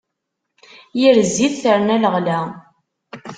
Yir zzit, terna leɣla.